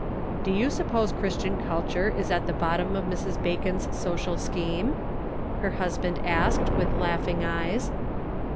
" Do you suppose Christian culture is at the bottom of Mrs. Bacon's social scheme ?" her husband asked, with laughing eyes.